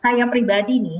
saya pribadi nih